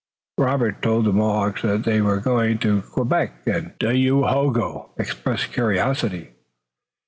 Robert told the Mohawks that they were going to Quebec, and Dayohogo expressed curiosity.